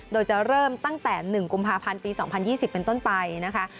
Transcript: โดยจะเริ่มตั้งแต่๑กุมภาพันธ์ปี๒๐๒๐เป็นต้นไปนะคะ